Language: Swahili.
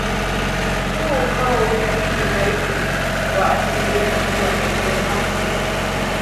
Huu ukawa ushahidi zaidi wa asili yake kuwa eneo lake.